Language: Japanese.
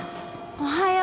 おはよう！